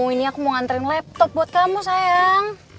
ini aku mau nganterin laptop buat kamu sayang